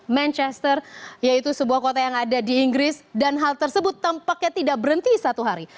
manchester yaitu sebuah kota yang ada di inggris dan hal tersebut tampaknya tidak berhenti satu hari